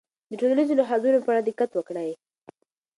د ټولنیزو نهادونو په اړه دقت وکړئ.